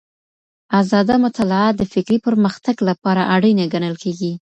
ازاده مطالعه د فکري پرمختګ لپاره اړينه ګڼل کېږي.